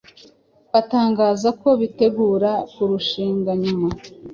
batangaza ko bitegura kurushinga nyuma